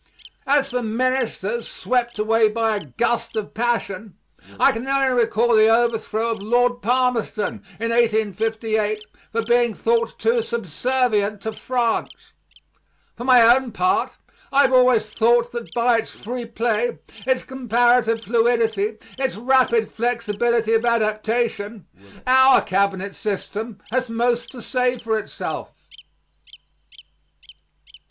As for ministers swept away by a gust of passion, I can only recall the overthrow of Lord Palmerston in 1858 for being thought too subservient to France. For my own part, I have always thought that by its free play, its comparative fluidity, its rapid flexibility of adaptation, our cabinet system has most to say for itself.